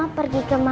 aku mau pergi ke mama